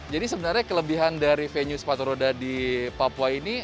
jadi sebenarnya kelebihan dari venue sepatu roda di papua ini